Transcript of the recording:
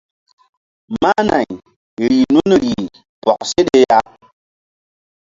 Mah nay rih nun rih bɔk seɗe ya.